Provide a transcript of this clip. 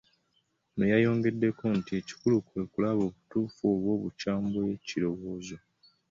Ono yayongeddeko nti ekikulu kwe kulaba obutuufu oba obukyamu bw'ekirowoozo.